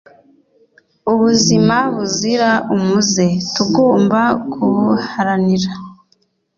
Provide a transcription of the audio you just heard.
ubuzima buzira umuze tugomba kubuharanira